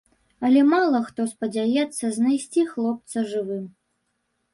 Але мала хто спадзяецца знайсці хлопца жывым.